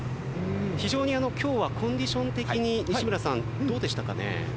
今日はコンディション的に西村さんどうでしたかね？